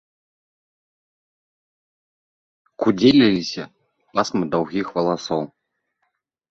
Кудзеліліся пасмы даўгіх валасоў.